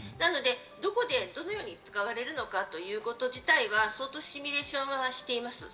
どこでどのように使われるのかということ自体は相当シミュレーションはしています。